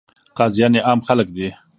قاضیان یې عام خلک دي.